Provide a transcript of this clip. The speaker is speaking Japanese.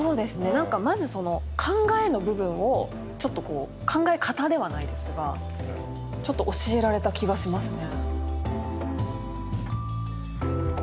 なんかまずその考えの部分をちょっとこう考え方ではないですがちょっと教えられた気がしますね。